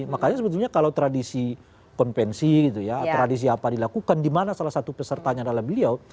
makanya sebetulnya kalau tradisi konvensi gitu ya tradisi apa dilakukan di mana salah satu pesertanya adalah beliau